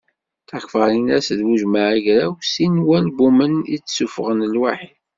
Takfarinas d Buǧemɛa Agraw sin n walbumen i d-ssufɣen lwaḥi.